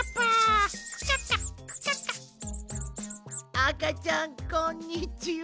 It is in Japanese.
あかちゃんこんにちは。